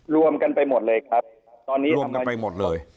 รวมกันไปหมดเลยครับตอนนี้รวมกันไปหมดเลย